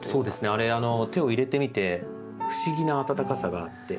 あれ手を入れてみて不思議な温かさがあって。